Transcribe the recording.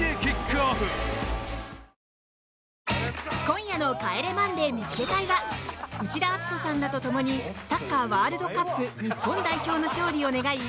今夜の「帰れマンデー見っけ隊！！」は内田篤人さんらと共にサッカーワールドカップ日本代表の勝利を願い